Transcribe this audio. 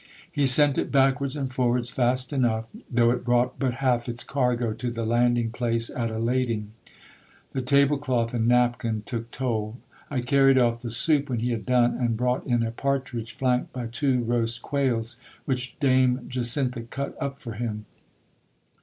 He sent it backwards and forwards fast enough ; though it brought but half its cargo to the landing place at a lading : the table cloth and napkin took toll. I carried off the soup when he had done, and brought in a partridge flanked by two roast quails, which Dame Jacintha cut up for him.